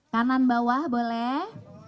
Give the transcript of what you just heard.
kanan bawah boleh